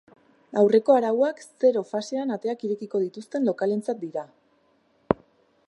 Aurreko arauak zero fasean ateak irekiko dituzten lokalentzat dira.